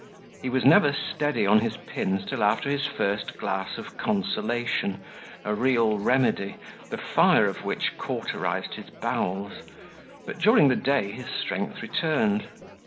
He was never steady on his pins till after his first glass of consolation, a real remedy, the fire of which cauterized his bowels; but during the day his strength returned.